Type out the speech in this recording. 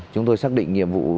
chúng tôi xác định nhiệm vụ